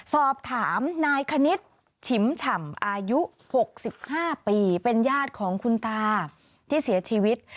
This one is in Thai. สอบถามนายคณิตฉิมฉ่ำอายุ๖๕ปีเป็นญาติของคุณตาที่เสียชีวิต